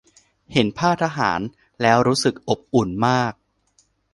เห็นภาททหารแล้วรู้สึกอบอุ่นมาก